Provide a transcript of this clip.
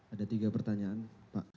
ada tiga pertanyaan pak